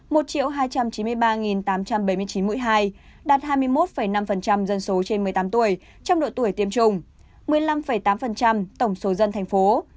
một hai trăm chín mươi ba tám trăm bảy mươi chín mũi hai đạt hai mươi một năm dân số trên một mươi tám tuổi trong độ tuổi tiêm chủng một mươi năm tám tổng số dân thành phố